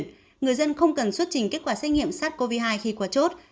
trong văn bản nêu rõ người dân không cần xuất trình kết quả xét nghiệm sars cov hai khi qua chốt